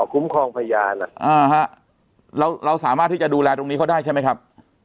คุ้มครองพยานเราเราสามารถที่จะดูแลตรงนี้เขาได้ใช่ไหมครับ